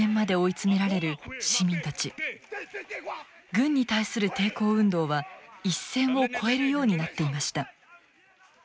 軍に対する抵抗運動は一線を越えるようになっていました。